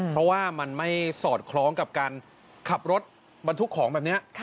เพราะว่ามันไม่สอดคล้องกับการขับรถบรรทุกของแบบนี้